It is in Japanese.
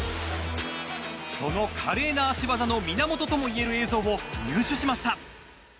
その華麗な足技の源とも言える映像を入手しました。